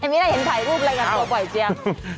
ไม่ได้เห็นถ่ายรูปอะไรกันตัวปล่อยเจียง